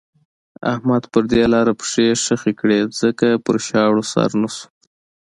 احمد پر دې لاره پښې خښې کړې ځکه پر شاړو سر نه شو.